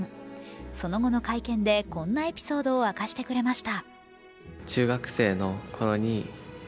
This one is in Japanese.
その後の会見でこんなエピソードを明かしてくれました。